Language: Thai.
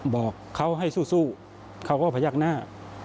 บอกเขาให้สู้เขาก็พยักหน้า